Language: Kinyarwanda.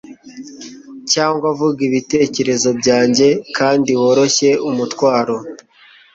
cyangwa vuga ibitekerezo byanjye kandi woroshye umutwaro ..